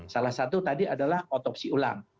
salah satu tadi adalah otopsi ulang